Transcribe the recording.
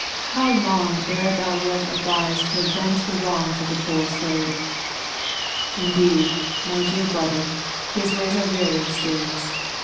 how long ere Thou wilt arise to avenge the wrongs of the poor slave! Indeed, my dear brother, His ways are very mysterious.